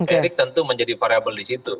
erik tentu menjadi variable disitu